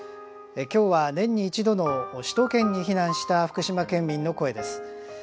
今日は年に一度の首都圏に避難した福島県民の声です。